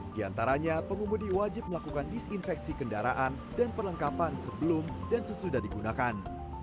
di antaranya pengemudi wajib melakukan disinfeksi kendaraan dan perlengkapan sebelum dan sesudah digunakan